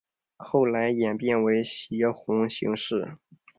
后来演变为斜红型式。